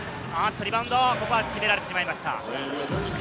リバウンド、決められてしまいました。